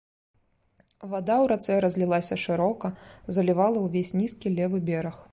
Вада ў рацэ разлілася шырока, залівала ўвесь нізкі левы бераг.